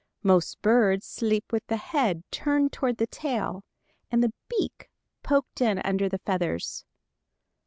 Most birds sleep with the head turned toward the tail and the beak poked in under the feathers.